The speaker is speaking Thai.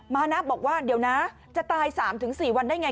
มานะบอกว่าเดี๋ยวนะจะตาย๓๔วันได้ไง